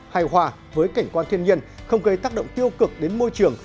hài hòa với cảnh quan thiên nhiên không gây tác động tiêu cực đến môi trường